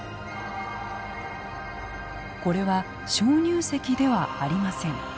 これは鍾乳石ではありません。